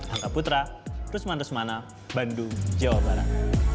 angga putra rusman rusmana bandung jawa barat